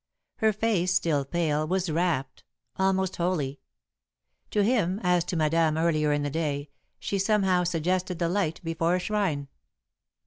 Her face, still pale, was rapt almost holy. To him, as to Madame earlier in the day, she somehow suggested the light before a shrine.